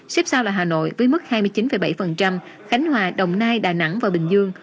xếp sau là hà nội với mức hai mươi chín bảy khánh hòa đồng nai đà nẵng và bình dương